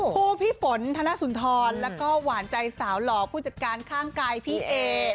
พี่ฝนธนสุนทรแล้วก็หวานใจสาวหล่อผู้จัดการข้างกายพี่เอ